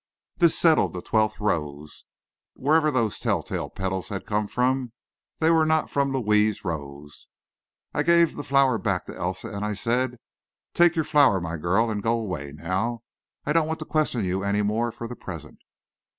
This settled the twelfth rose. Wherever those tell tale petals had come from, they were not from Louis's rose. I gave the flower back to Elsa, and I said, "take your flower, my girl, and go away now. I don't want to question you any more for the present."